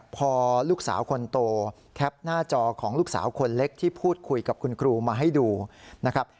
พอลูกสาวคนโตแคปหน้าจอของลูกสาวคนเล็กที่พูดคุยกับคุณครูมาให้ดูนะครับ